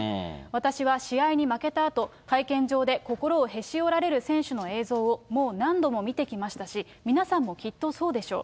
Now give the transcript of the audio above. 私は試合に負けたあと、会見場で心をへし折られる選手の映像をもう何度も見てきましたし、皆さんもきっとそうでしょう。